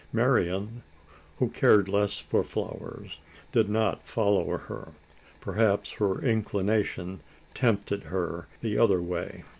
Marian, who cared less for flowers, did not follow her. Perhaps her inclination tempted her the other way?